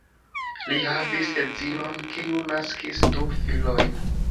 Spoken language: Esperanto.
Li havis edzinon, kiu naskis du filojn.